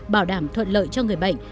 bảo đảm thuận lợi cho người bệnh